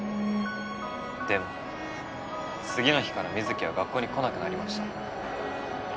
でも次の日から水城は学校に来なくなりました。